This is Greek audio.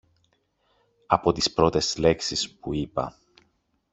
Από τις πρώτες λέξεις που είπα